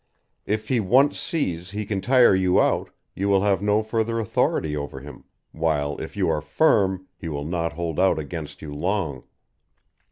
If he once sees he can tire you out you will have no further authority over him, while if you are firm he will not hold out against you long.